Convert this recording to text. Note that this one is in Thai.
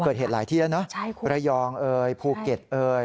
เกิดเหตุหลายที่แล้วนะระยองเอ่ยภูเก็ตเอ่ย